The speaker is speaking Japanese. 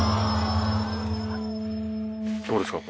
どうですか？